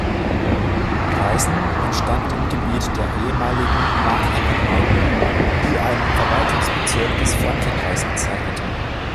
Reisen entstand im Gebiet der ehemaligen "Mark Heppenheim" die ein Verwaltungsbezirk des Frankenreichs bezeichnete.